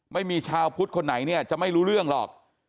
ไม่มีชาวพุทธคนไหนเนี่ยจะไม่รู้เรื่องหรอก